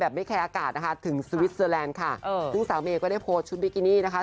แบบไม่แคลอากาศนะคะถึงเอวิสเซอแลนด์ค่ะเออคุณสาวเมย์ก็ได้โพสชุดบีกินีนะคะ